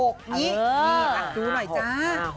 ล้วงให้ไอ้ล้วงมาหนึ่งล้วงเรื่องครับสิ